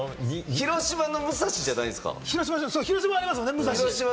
広島のむさしじゃないんですか？